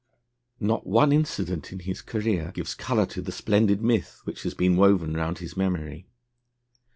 Not one incident in his career gives colour to the splendid myth which has been woven round his memory.